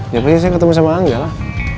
ya pastinya saya ketemu sama angga lah